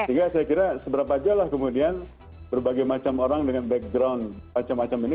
sehingga saya kira seberapa jauh lah kemudian berbagai macam orang dengan background macam macam ini